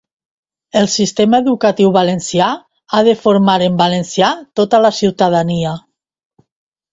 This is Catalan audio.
El sistema educatiu valencià ha de formar en valencià tota la ciutadania.